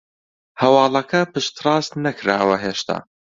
هەواڵەکە پشتڕاست نەکراوە هێشتا